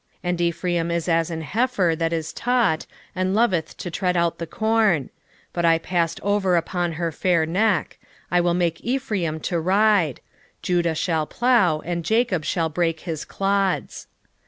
10:11 And Ephraim is as an heifer that is taught, and loveth to tread out the corn; but I passed over upon her fair neck: I will make Ephraim to ride; Judah shall plow, and Jacob shall break his clods.